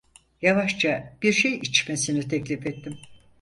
Yavaşça, bir şey içmesini teklif ettim.